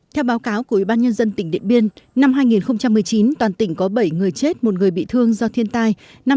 theo báo cáo của ủy ban nhân dân tỉnh điện biên năm hai nghìn một mươi chín toàn tỉnh có bảy người chết một người bị thương do thiên tai